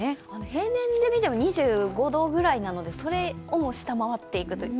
平年で見ても２５度ぐらいなのでそれをも下回っていくという。